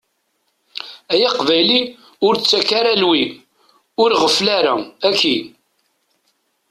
Ay Aqbayli ur ttakk ara lwi, ur ɣeffel ara, aki.